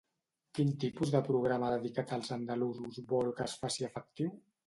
Quin tipus de programa dedicat als andalusos vol que es faci efectiu?